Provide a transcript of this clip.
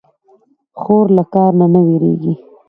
خور له کار نه نه وېرېږي.